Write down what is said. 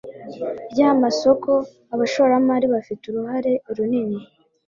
ry amasoko Abashoramari bafite uruhare runini